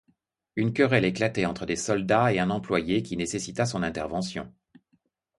Une querelle éclatait entre des soldats et un employé, qui nécessita son intervention.